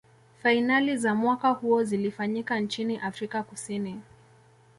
fainali za mwaka huo zilifanyika nchini afrika kusini